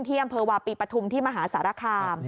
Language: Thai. อำเภอวาปีปฐุมที่มหาสารคาม